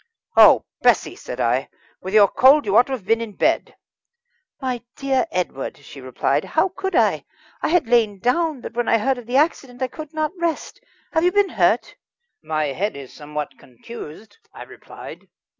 "Oh, Bessie!" said I, "with your cold you ought to have been in bed." "My dear Edward," she replied, "how could I? I had lain down, but when I heard of the accident I could not rest. Have you been hurt?" "My head is somewhat contused," I replied.